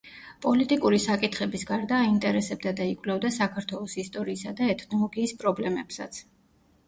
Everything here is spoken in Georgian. პოლიტიკური საკითხების გარდა აინტერესებდა და იკვლევდა საქართველოს ისტორიისა და ეთნოლოგიის პრობლემებსაც.